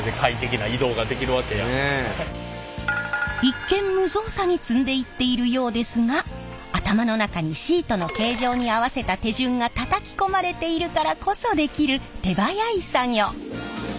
一見無造作に積んでいっているようですが頭の中にシートの形状に合わせた手順がたたき込まれているからこそできる手早い作業。